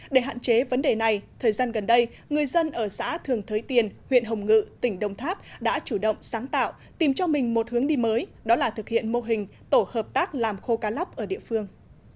để hạn chế vấn đề này thời gian gần đây người dân ở xã thường thới tiền huyện hồng ngự tỉnh đông tháp đã chủ động sáng tạo tìm cho mình một hướng đi mới đó là thực hiện mô hình tổ hợp tác làm khô cá lóc ở địa phương